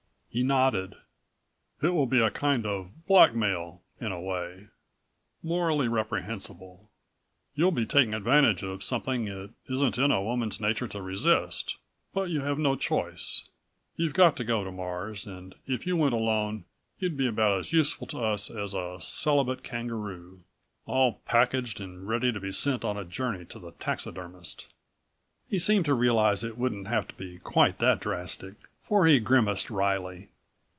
He nodded. "It will be a kind of blackmail, in a way morally reprehensible. You'll be taking advantage of something it isn't in a woman's nature to resist. But you have no choice. You've got to go to Mars and if you went alone you'd be about as useful to us as a celibate kangaroo, all packaged and ready to be sent on a journey to the taxidermist." He seemed to realize it wouldn't have to be quite that drastic, for he grimaced wryly.